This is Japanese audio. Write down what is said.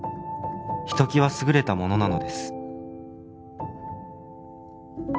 「ひときわ優れたものなのです」